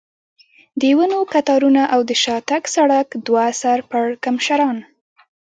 د ونو کتارونه او د شاتګ سړک، دوه سر پړکمشران.